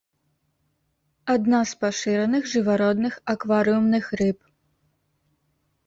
Адна з пашыраных жывародных акварыумных рыб.